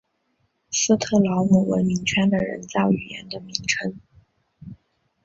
斯特劳姆文明圈的人造语言的名称。